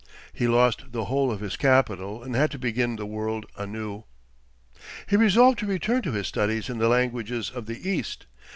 He lost the whole of his capital, and had to begin the world anew. He resolved to return to his studies in the languages of the East.